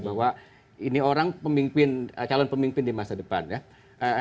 bahwa ini orang calon pemimpin di masa depan ya